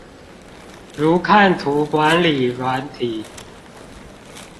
如看圖管理軟體